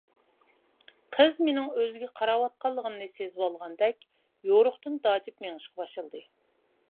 قىز مېنىڭ ئۆزىگە قاراۋاتقانلىقىمنى سېزىۋالغاندەك يورۇقتىن داجىپ مېڭىشقا باشلىدى.